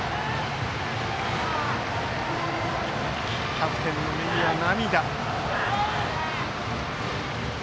キャプテンの塚本の目には涙。